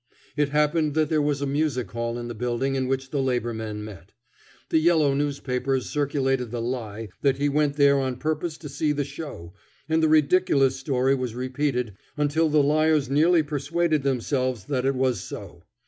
It happened that there was a music hall in the building in which the labor men met. The yellow newspapers circulated the lie that he went there on purpose to see the show, and the ridiculous story was repeated until the liars nearly persuaded themselves that it was so.